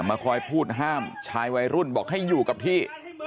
มาคอยพูดห้ามชายวัยรุ่นบอกให้อยู่กับที่